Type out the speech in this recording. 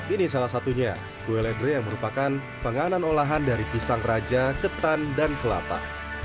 ini salah satunya kue ledre yang merupakan penganan olahan dari pisang raja ketan dan kelapa